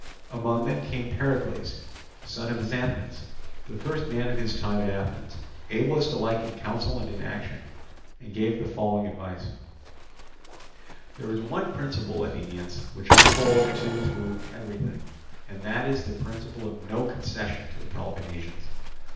Among them came forward Pericles, son of Xanthippus, the first man of his time at Athens, ablest alike in counsel and in action, and gave the following advice: "There is one principle, Athenians, which I hold to through everything, and that is the principle of no concession to the Peloponnesians.